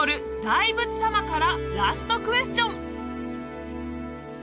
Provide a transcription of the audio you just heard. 大仏様からラストクエスチョン